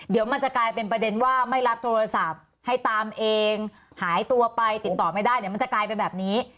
เดี๋ยวมันจะกลายเป็นประเด็นว่าไม่รับโทรศัพท์ให้ตามเองหายตัวไปติดต่อไม่ได้เดี๋ยวมันจะกลายเป็นแบบนี้